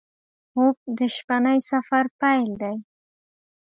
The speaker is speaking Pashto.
خوب د شپهني سفر پیل دی